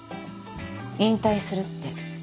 引退するって。